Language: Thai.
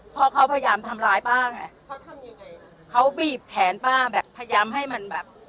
พ่อเขาพยายามทำร้ายป้าไงเขาทำยังไงเขาบีบแขนป้าแบบพยายามให้มันแบบ